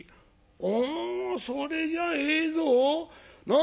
「おそれじゃええぞ。なあ？